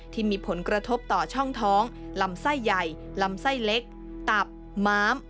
ที่มีผลกระทบต่อช่องท้องลำไส้ใหญ่ลำไส้เล็กตับม้าม